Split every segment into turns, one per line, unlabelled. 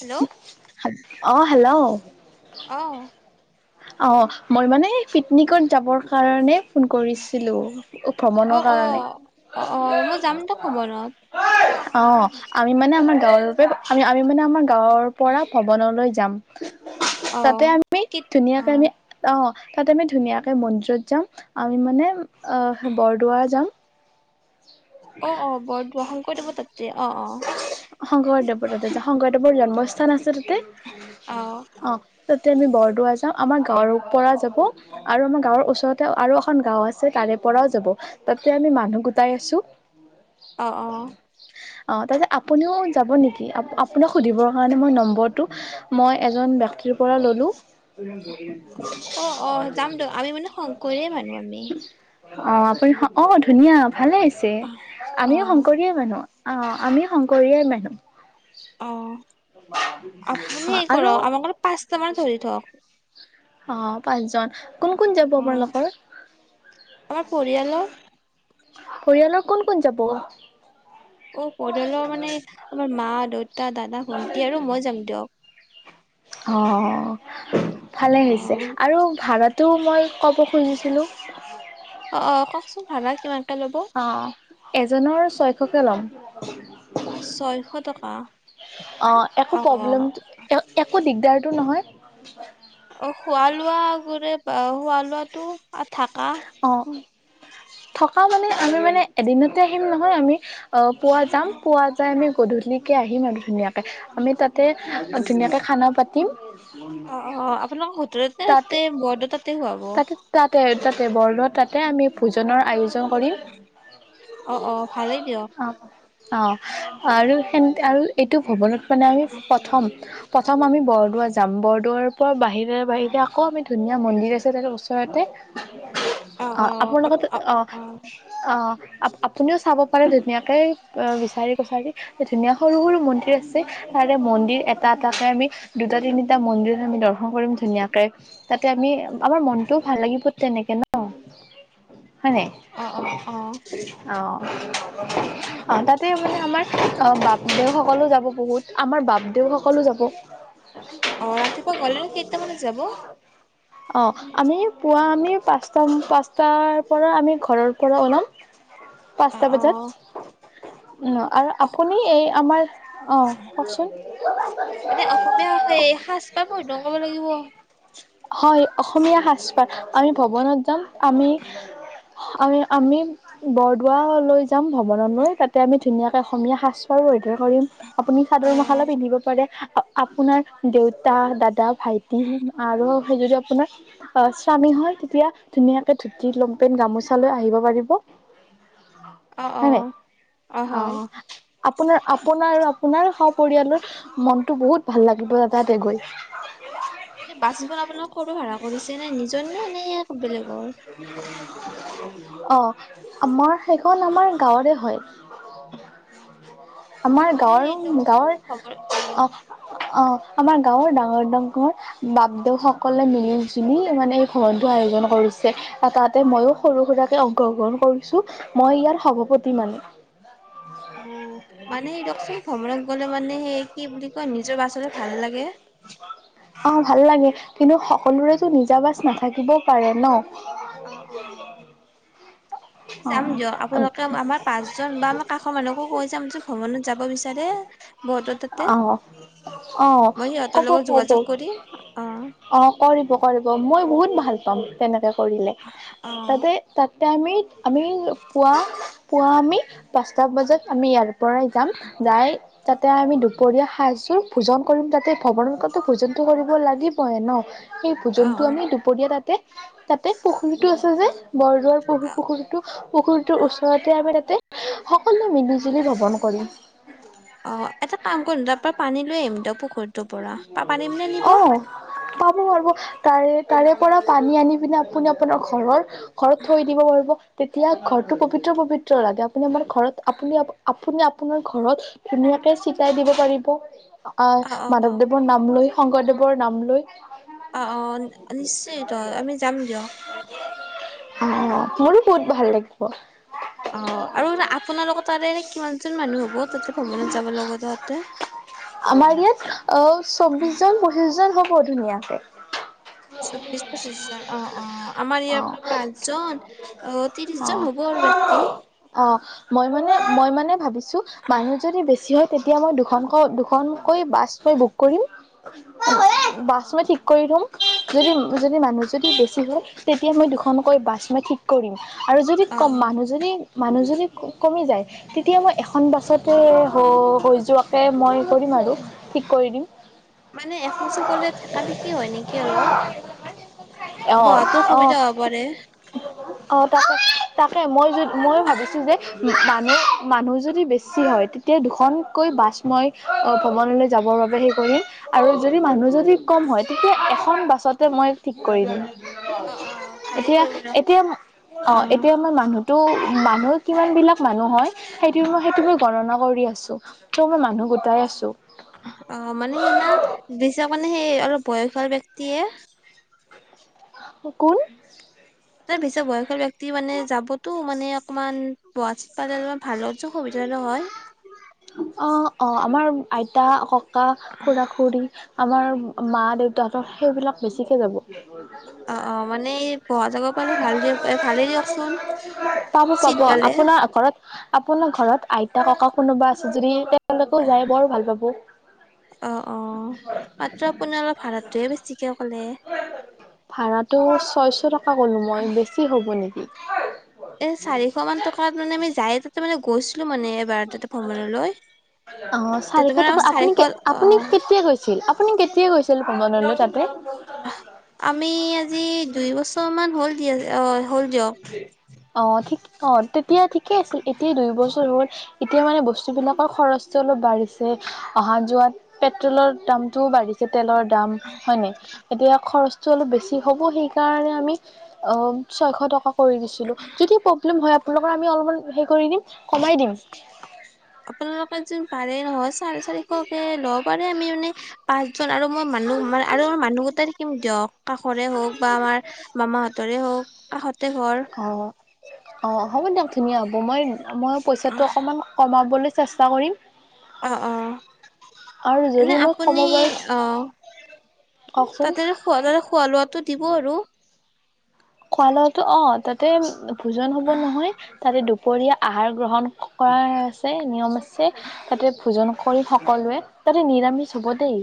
Hello
[inaudible] অ hello!
অ
অ মই মানে পিকনিকত যাবৰ কাৰণে ফোন কৰিছিলো
অ
ভ্ৰমণৰ
অ
কাৰণে
অ অ মই যাম দক ভ্ৰমণত
অ আমি মানে আমাৰ গাঁৱৰ পৰা আমি মানে আমাৰ গাঁৱৰ পৰা ভ্ৰমণলৈ যাম। [inaudible]
অ
তাতে আমি
কি
[unintelligible]
অ
অ তাত আমি ধুনীয়াকে মন্দিৰত যাম আমি মানে অ বৰদোৱা যাম
অ অ বৰ দোৱা [unintelligible]
শংকৰদেৱদা শংকৰদৱ [unintelligible] জন্মস্থান আছে অ
অ
তেতিয়া আমি বৰদোৱা যাওঁ আমাৰ গাঁৱৰ পৰা যাব তাতে আৰু আমাৰ গাঁৱৰ ওচৰত আৰু এখন গাও আছে তাৰে পৰাও যাব তাতে আমি মানুহ গোটাই আছো।
অ' অ'।
অ তাৰপছত আপুনিও যাব নেকি আপোনাক সুধিব কাৰনে নম্বৰটো ময় এজন ব্যক্তিৰ পৰা ললো।
অ অ অ যাম দক আমি মানে শংকৰে মানুহ আমি
অ আপুনি অ ধুনীয়া ভালেছে
অ
আমিও শংকৰীয়ে মানুহ অ আমি শংকৰীয়াই মানুহ।
অ আপুনি হে
অ' আৰু
কৰক আমাৰ পাঁচটা মান ধৰি থওক।
অ পাঁচজন। কোন কোন যাব
অ
আপোনালোকৰ?
আমাৰ পৰিয়ালৰ
পৰিয়ালৰ ক'ত কোন যাব
অ পৰিয়ালৰ মানে আমাৰ মা দেউতা দাদা শুটি আৰু মই যাম দিয়ক।
অ ভালে
অ
হৈছে আৰু ভাড়াটো মই ক'ব খুজিছিলোঁ
অ অ কওকচোন ভাবা কিমান
অ এজনৰ ছয় এককে ল'ম
ছয়শ টকা
অ একো প্ৰব্লেম একো দিগদাৰতটো নহয়। [unintelligible]
অ খোৱা লোৱা গোৰে খোৱা লোৱা টো আছে
অ থকা মানে আমি মানে এদিনতে আহিম নহয় আমি অ পুৱা যাম পুৱা যাই আমি গধূলিকে আহিম আৰু ধুনীয়াকে আমি তাত তে ধোনীয়াকে খানা পাতিম।
অ অ আপোনালোকৰ হোটেলতে
তাত
তাতে বৰদ তাতে খুৱাব
তাতে
অ
তাতে ত বৰ তাতে আমি ভোজনৰ আয়োজন কৰিম
অ ভালেই দিয়ক
অ। অঁ আৰু সে আৰু এইটো ভৱনত মানে আমি প্ৰথম প্ৰথম আমি বৰদোৱা জাম্বৰদুৱাৰ পৰা বাহিৰ বাহিৰে আকৌ আমি ধুনীয়া মন্দিৰছে ওচৰতে অ আপোনাৰ লগত অ-অ আপুনিও চাব পাৰে ধুনীয়াকে বিচাৰি কছাৰি ধুনীয়া সৰু-সৰু মন্দিৰ আছে তাৰে মন্দিৰ এটা এটাকে আমি দুটা তিনিটা মন্দিৰ আমি দৰ্শন কৰিম ধুনীয়াকে। তাতে আমি আমাৰ মনটোও ভাল লাগিব তেনেকে ন। হয় নাই,
অ অ অ
অ অ তাতে মানে আমাৰ বাপদেউ সকলো যাব বহুত আমাৰ বাপদেউ সকলো যাব।
অ ৰাতিপুৱা গলে নো কেইটামানত যাব?
অ', আমি পুৱা আমি পাঁচটা-পাঁচটাৰ পৰা আমি ঘৰৰ পৰা ওলাম।
অ
পাঁচটা
অ
বজাত। আৰু
অ
আপুনি এই আমাৰ অ কওকচোন?
এনে অসমীয়া সেই সাজপাৰ পৰিধান কৰিব লাগিব অ
হয় অসমীয়া সাজপাৰ আমি ভৱনত যাম। আমি আমি-আমি বৰদোৱা লৈ যাম ভৱন লৈ তাতে আমি ধুনীয়াকে অসমীয়া সাজ পাৰ পৰিধাৰ কৰিম। আপুনি চাদৰ মখালা পিন্ধিব পাৰে। আপোনাৰ দেউতা, দাদা, ভাইতি। আৰু সেই যদি আপোনাৰ অ' স্বামী হয় তেতিয়া ধুনীয়াকে ধুতি লমপেন গামোচা লৈ আহিব পাৰিব।
অ অ
হয় নে অ আপোনাৰ-আপোনাৰ, আপোনাৰ সহ পৰিয়ালৰ মনটো বহুত ভাল লাগিব তাহাতে গৈ।
এ বাছ গিসন আপোনালোকে কৰ পৰা ভাড়া কৰিছে নে নিজ নে-নে।
নাই [unintelligible] অ' আমাৰ সেইখন আমাৰ গাঁৱৰে হয়। আমাৰ
মানে সেই দিয়কচোন
গাঁৱৰ-গাঁৱৰ
খবৰ অ
অ-অ। আমাৰ গাঁৱৰ ডাঙৰ-ডাঙৰ বাপদেউসকলে মিলি জুলি মানে এই ঘৰত আয়োজন কৰিছে আৰু তাতে মইও সৰু সুৰাকে অংশগ্ৰহণ কৰিছো মই ইয়াৰ সভাপতি মানে।
মানে দকচোন ভ্ৰমণত গ'লে মানে সেই কি বুলি কয় নিজৰ বাচ ভাল লাগে।
অ', ভাল লাগে কিন্তু সকলোৰেতো নিজাবাচ নাথাকিবও পাৰে ন।
অ-অ-অ, যাম দিয়ক
অ',
আপোনালোকে আমাৰ পাঁচজন বা আমাৰ কাষৰ মানুহকো কৈ যাম যে ভ্ৰমণত যাব বিচাৰে। তাৰে
অ-অ
মই সিহঁতৰ লগত
কব-কব
যোগাযোগ কৰিম অ।
অ' কৰিব। কৰিব মই বহুত ভাল পাম তেনেকে। কৰিলে
অ
তাতে তাত টাইমিত আমি পুৱা পুৱা আমি পাঁচটা বজাত আমি ইয়াল পৰাই যাম যাই তাতে আমি দুপৰীয়া সাজযোৰ ভোজন কৰিম তাতে ভৱনতো ভোজনটো কৰিব লাগিবহে ন সেই
অ।
ভোজন টো আমি দুপৰীয়া তাতে তাতে পুখুৰীতটো আছে যে বৰদাৰ পু পুখুৰীটো পুখুৰীটোৰ ওচৰতে আমাৰ তাতে সকলোৱে মিলিজুলি ভ্ৰমণ কৰি
অ এটা কাম কৰিম তাৰ পৰা পানী লৈ আহিম ত পুখুৰত
অ পাব পাৰ তাৰে তাৰে পৰা পানী আনি পিনে আপুনি আপোনাৰ ঘৰৰ ঘৰত থৈ দিব পাৰিব তেতিয়া ঘৰটো পৱিত্ৰ পৱিত্ৰ লাগে আপুনি আমাৰ ঘৰত আপনি আপুনি আপোনাৰ ঘৰত ধুনীয়াকে চিকাই দিব পাৰিব অ মাধৱদেৱৰ নাম লৈ শংকৰদেৱৰ নাম লৈ
অ অ নিশ্চিত আমি যাম দিয়ক
আহ মোৰো বহুত ভাল লাগিব
অ আৰু আপোনালোকৰ তাাৰেতে এনে কিমানজন মানুহ হ'ব তাতে ভৱনত যাব লগা তহতে
আমাৰ ইয়াত অ চৌবিশ জন পঁচিশজন হ'ব ব ধুনীয়া আছে
চৌবিিশ পঁচিশ জন আহ আহ আমাৰ ইয়াৰ
অ
পৰা পাঁচজন আহ ত্ৰিশ জন হব আৰু বক্তি
অ', অ', মই মানে মই মানে ভাবিছো মানুহ যদি বেছি হয় তেতিয়া মই দুখনকৈ দুখনকৈ বাছ মই বুক কৰিম
অ অ
বাছ
অ
মে
অ
ঠিক কৰি থুম যদি যদি মানুহ যদি বেছি হয় তেতিয়া মই দুখনকৈ বাছ মই ঠিক কৰিম আৰু যদি
অ অ
কম
অ
মানুহজনী মানুহ যদি কমি যায় তেতিয়া মই এখন বাছতে হৈ যোৱাকৈ মই কৰিম আৰু ঠিক কৰি দিম
মানে এখন চকলে থাকা থাকি হয় নেকি অলপ
আহ
বহাতো
আহ
অসুবিধা হ'ব পাৰে
আহ তাকে তাকে মই য ময় ভাবিছো যে মানুহ মানুহ যদি বেছি হয় তেতিয়া দুখন কৈ বাছময় অ ভৱনলৈ যাবৰ বাবে সেই কৰিম আৰু যদি মানুহ যদি কম হয় তেতিয়া এখন বাছতে মই ঠিক কৰি দিম।
অ অ ভালেই
এতিয়া
কৰিব দিয়ক
এতিয়া অ এতিয়া মই মানুহতো মানুহ কিমান বিলাক মানুহ হয় সেইটো মই সেইটো মই গণনা কৰি আছো। ত মই মানুহ গোটাই আছো।
অ মানে সেইনা দিছ মানে সেই অলপ বয়সৰ ব্যক্তিয়ে
কুল
তাৰ পিছত বয়সীয়াল ব্যক্তি মানে যাবতো মানে অকমান বচিত পালাৰ ভাল আ খবি নহয়।
অ অ আমাৰ আইতা ককা খৰা খুৰী আমাৰ মা দেউতাহঁতৰ সেইবিলাক বেছিকৈ যাব।
অ অ মানে বহা জাগা পালে ভাল দিয়ক ভালেই দিয়কচোন
পাব
চিত
পাব
পালে
আপোনাৰ ঘৰত আপোনাৰ ঘৰত আইতা ককা কোনোবা আ জুৰি টেপ
অ অ পাত্ৰ আপুনি অলপ ভাড়াটোয়ে বেছিকে কলে।
ভাড়াটো ছয়শ টকা কলো মই বেছি হ'ব নে নেকি?
এ চাৰিশ মান টকা মানে আমি যায় তাতে মানে গৈছিলো। মানে এবাৰ তাতে ভ্ৰমণ লৈ,
অ চাৰিশ টকা
তোমাৰ
আপুনি
চাৰিশ,
আপুনি কেতিয়া গৈছিল আপুনি কেতিয়া গৈছিল ভ্ৰমণলৈ তাতে?
আমি আজি দুই বছৰ - ছ মান হ'ল দিয় আছে অ। হল দিওক।
অ ঠিক অ। এতিয়া ঠিকে আছিল এতিয়া দুই বছৰ হল। এতিয়া মানে বস্তু বিলাকৰ খৰচটো অলপ বাঢ়িছে অহা যোৱাত পেট্ৰলৰ দামতটোও বাঢ়িছে। তেলৰ দাম হয়নে এতিয়া খৰচ চ অলপ বেছি হ'ব সেইকাৰণে আমি অ ছয়শ টকা কৰি দিছিলো যদি প্ৰব্লেম হয় আপোনালোক আমি অলপমান হেৰি কৰি দিম কমাই দিম।
আপোনালোকত যোন পাৰে নহয় চাৰে চাৰিশকে লব পাৰে। আমি মানে পাঁচ চোন আৰু মই মানুহ ম আৰু মানুহ গট কিম দক। কাষৰে হওক বা আমাৰ মামাহ তৰে হওক কাষত
অ অ হ'ব দিয়ক খুিনি হ'ব মই মই পইচাটোো অকমান কমাবলৈ চেষ্টা কৰিম
অ অ
আৰু যদি
এনে
মই
আপুনি
কমাব পাৰো
অ
কওকচোন
তাতে খোৱা ত খোৱা লোৱাটো দিব আৰু
খোৱা লোৱাো অ তাতে ভোজন হ'ব নহয় তাতে দুপৰীয়া আহাৰ গ্ৰহণ কৰা আছে নিয়ম আছে তাতে ভোজন কৰি সকলোৱে তাতে নিৰামিষ চব দেই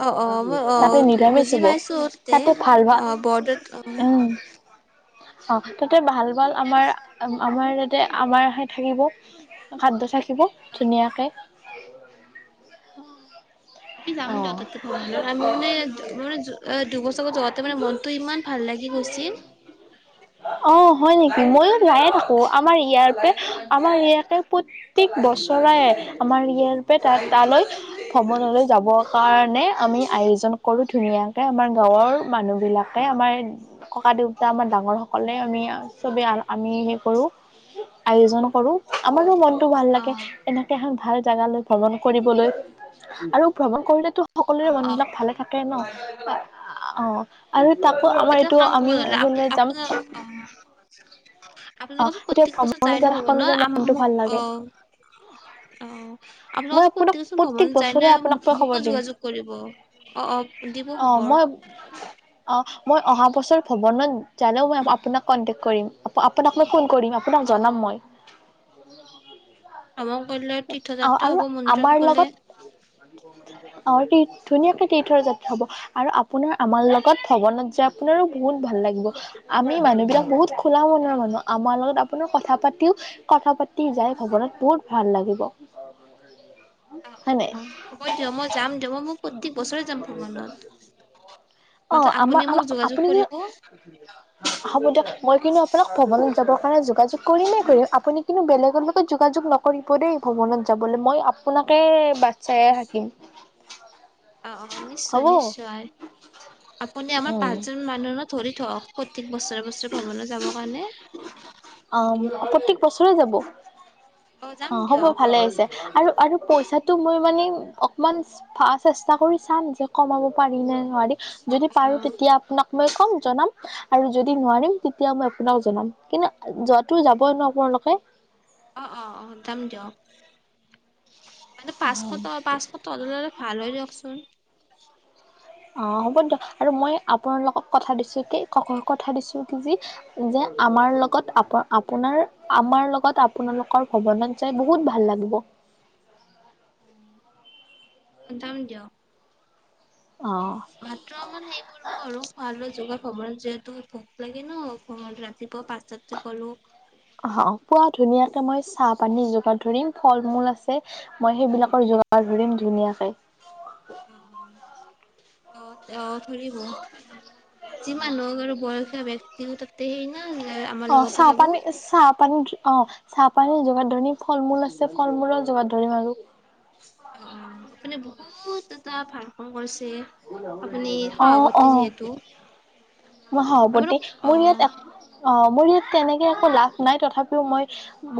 অ', অ', মই অ',
তাতে নিৰামেই চব তাতে ভাল ভাল
বত অ
উম অ তাতে ভাল আমাৰ আমাৰ আমাৰহে থাকিব খাদ্য থ থাকিব ধুনীয়াকৈ [inaudible]
আমি যাম যতৰ আমি মান মান দুবছৰ যাওঁতে মানে মনটো ইমান ভাল লাগি গৈছিল।
অ হয় নেকি ময়ো যায়ে থাকো আমাৰ ইয়াৰ পৰা আমাৰ ইয়াকে প্ৰত্যেক বছৰেই আমাৰ ইয়াৰ পৰা ত তালৈ ভ্ৰমনলৈ যাবৰ কাৰণে আমি আয়োজন কৰো ধ উ তা আমাৰ গাঁৱৰ মানুহবিলাক আমাৰ ককা দেউতা আমাৰ ডাঙৰ সকলে আমি চবেই আমি হেই কৰো আয়োজন কৰো আমাৰো মন ভাল লাগে
অ',
এনেকে ভাল জোগালৈ ভ্ৰমণ কৰিবলৈ আৰু ভ্ৰমণ কৰিলেতো সকলোৰে
অ',
মন
অ',
বিিলাক ভালে থাকে ন অ আৰু তাকো আমাৰ
এতিয়া
এইটো
কাম
আমি
কৰিব নলে আপ
যাম
আপোনাৰ অ
অ
আপোনালোকৰচোন
এতিয়া
প্ৰত্য়েক বছৰ
ভ্ৰমণ
যায়
যাৰ
ন ভবন
সকলোৰে
ন
মনটো ভাল
মোক অ অ
লাগে মই
আপোনালোকৰোন
আপোনাক
প্ৰতয়েক বছৰ
প্ৰত্যেক
ভনত যায়
বছৰে
ন
আপোনাক মই খবৰ
মোকো
দিম
যোগাযোগ কৰিব অ অ দিব
অ
খবৰ
মই অ মই অহা বছৰ ভনতে ম আ ক কৰিম আপোনাক
অ',
জনাম
অ',
মই
ভ্ৰমণ কৰিলে তীৰ্থযাত্ৰা
আৰু
হ'ব মন্দিৰত
আমাৰ
গ'লে।
লগত আাৰ কি ধুনীয়াকে তীৰ্থ যাত্ৰা হ'ব আৰু আপোনাৰ আমাৰ লগত ভৱনত যায় আপোনাৰো বহুত ভাল লাগিব আমি মানুহবিলাক বহুত খোলা মনৰ মানুহ আমাৰ লগত আপোনাৰ কথা পাতিও কথা পাতি যাই ভৱনাত বহুত ভাল লাগে ব
অ
হয় নাই
অ হ'ব দিয়ক মই যাম দিয়ক মই মোক প্ৰত্যেক বছৰে যাম ভ্ৰমণত
অ
মাত্ৰ
আমাৰ
আপুনি মোক যোগাযোগ
আপুনি কিন্ত
কৰিব
হব দিয়ক মই কিন্তু আপোনাক ভম ৰ কাৰণে যোগাযোগ কৰিমে কৰিম আপুনি কিন্তু বেলেগ োকে যোগাযোগ নকৰিব দেই ভ্ৰৱনত যাবলৈ মই আপোনাকে বাট চাইে থাকিম
অ অ নিশ্চয়
হ'ব
নিশ্চয় আপুনি আমাৰ
উম
পাঁচজন মানুহ ধৰি থক ঠিক বছৰে বছৰে ভ্ৰৱণলৈ যাবৰ কাৰণে হয় হয়
অ প্ৰত্্যেক বছৰে যাব
যাম
অ হ'ব
দিয়ক
ভালে আহিছে আৰু আৰু পইচাটো মই মানে অকমান চেষ্টা কৰি চাম যে কমাব পাৰি নে নোৱাৰ যদি
অ
পাৰো তেতিয়া আপোনাক মই কম জনাম আৰু যদি নোৱাৰিম তেতিয়া মই আপোনাক জনাম কিন্তু যোৱাতটো যাবই নো আপোনালোকে
অ অ অ যাম দিয় মানে পাঁচশত পাঁচশত ধৰে ভাল হয় দিয়কচোন
অ হ'ব দিয় আৰু মই আপোনাল লগক কথা দিছো কি কথা দিছো কি যি যে আমাৰ লগত আপ আপোনাৰ আমাৰ লগত আপোনালোকৰ ভৱনত যাই বহুত ভাল লাগিব
অন্দাম য
অ
ভাত্ৰ অমান হেৰি কৰিব আৰু সোৱাদোৱা যোগ কমল যিহেতু ভোক লাগে ন কমল ৰাতিপুৱা পচ
অ পোৱা ধুনীয়া ত মই চাহ পানী যোগাৰ ধৰিম ফল মূল আছে মই সেইবিলাকৰ যোগাৰ ধৰিম ধুনীয়াকে
অ অ অ অ ৰিব যিমান লগ আৰু বয়সীয় ব্যক্তি তাকতে
অ চাহ পানী চাহ পানী অ চাহ পানীৰ যোগাৰ ধৰিম ফল মূল আছে ফল মূলৰ যোগাৰ ধৰিম আৰু
বহত এা ভাল কওঁ কৰিছে আপুনি সভাপতি যিহেতু
ন হব দে
আপোনাক
মোৰ ইয়াত
অ',
অ মোৰ ইয়াত তেনেকে একো লাভ নাই তথাপিও মই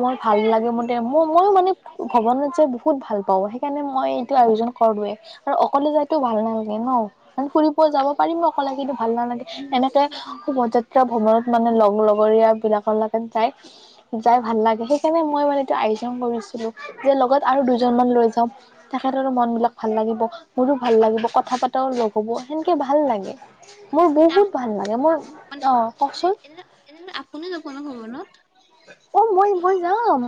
মোৰ ভাল লাগে ম ম মইো মানে ভৱনত যাই বহুত ভাল পাওঁ সেইকাৰণে মই এইটো আয়োজন কৰলোৱে আৰু অকলে যাইো ভাল নালাগে ন মানে ফুৰিব যাব পাৰিম ন অকলেন্তটো ভাল নালাগে এনেকে শোভাযাত্ৰা ভ্ৰমণত মানে লগ লগৰীয়া বিলাকৰ লগে যাই যাই ভাল লাগে সেইকাৰণে মই মানে এইটো আয়োজন কৰিছিলো যে লগত আৰু দুজন মান লৈ যাওঁ তেখেতৰো মন বিলাক ভাল লাগিব মোৰো ভাল লাগিব কথা পতাও লগ হব সেনেকে ভাল লাগে মোৰ
এনে
বহুত
আপু
ভাল লাগে মোৰ
অ মানে
অ
এনে
কওকচোন
এ এনে আপুনি দোকোনক হব ন
অ মই মই যাম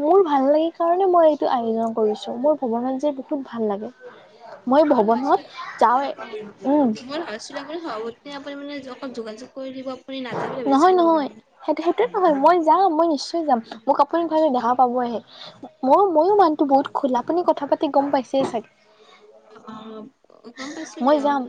মোৰ ভাল লাগে কাৰণে মই এইটো আয়োজন কৰিছোঁ মোৰ ভৱনত যে বহুত ভাল লাগে মই ভ্ৰমণত
অঁ
যাওঁৱে
মোৰ
উম
[unintelligible] [unintelligible] যোগাযোগ কৰি দিব আপুনি নাযায় বুলি ভাবিছিলোঁ
নহয়- নহয়
ভ্ৰমণত।
সেইটো সেইটোয়ে নহয়, মই যাম মই নিচ ছয় যাম মোক আপুনি [unintelligible] দেখা পাবয়ে মোৰ ময়ো মানুহতো বহুত খোলা, আপুনি কথা পাতি গম পাইছেই চাগে।
অ', অ', গম পাইছোঁ
মই
দিয়ক।
যাম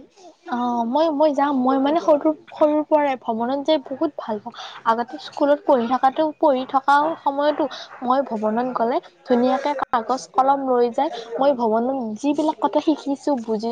অ, মই -মই যাম, মই মানে সৰু-সৰুৰ পৰাই ভ্ৰমণত যায় বহুত ভাল পাওঁ, আগতে স্কুলত কৰি থকাটো কৰি থক আৰু সময়তো মই ভৱনত গ'লে ধুনীয়াকে কাগজ কলম লৈ যায় মই ভৱনত যিবিলাক কথা শিকিছো, বুজি